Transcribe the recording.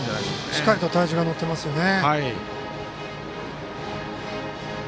しっかりと体重が乗っていますね。